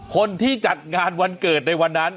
คนที่จัดงานวันเกิดในวันนั้น